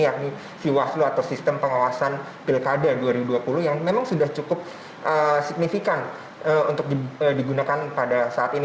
yakni si waslu atau sistem pengawasan pilkada dua ribu dua puluh yang memang sudah cukup signifikan untuk digunakan pada saat ini